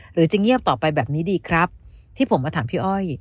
หรือจะเงียบต่อไปแบบนี้ดีครับที่ผมมาถามพี่อ้อย